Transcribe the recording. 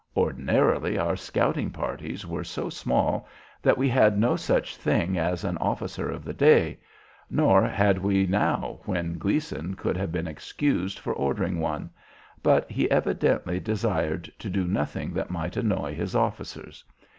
Ordinarily our scouting parties were so small that we had no such thing as an officer of the day, nor had we now when Gleason could have been excused for ordering one, but he evidently desired to do nothing that might annoy his officers.